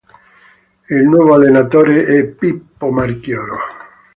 Il nuovo allenatore è Pippo Marchioro.